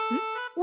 お！